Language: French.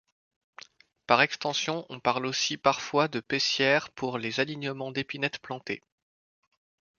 Par extension on parle aussi parfois de pessière pour les alignements d'épinette plantés.